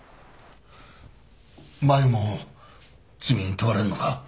麻友も罪に問われるのか？